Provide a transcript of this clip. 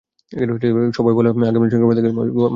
সভায় বলা হয়, আগামীকাল শনিবার থেকে সফর মাস গণনা শুরু হবে।